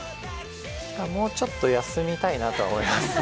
もうちょっと休みたいなとは思います。